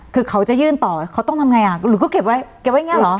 คือเขาจะยื่นต่อเขาต้องทำไงอ่ะหรือก็เก็บไว้เก็บไว้อย่างเงี้เหรอ